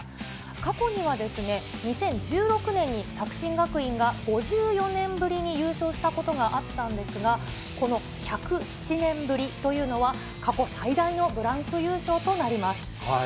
過去にはですね、２０１６年に作新学院が５４年ぶりに優勝したことがあったんですが、この１０７年ぶりというのは、過去最大のブランク優勝となります。